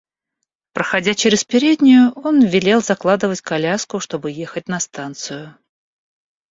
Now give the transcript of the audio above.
Проходя через переднюю, он велел закладывать коляску, чтобы ехать на станцию.